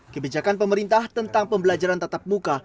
kebijakan pemerintah tentang pembelajaran tatap muka